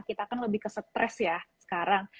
kita kan lebih ke stres ya sekarang